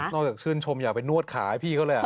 นอกจากชื่นชมจะไปนวดขาให้พี่เขาแล้ว